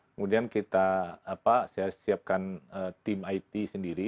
kemudian kita siapkan tim it sendiri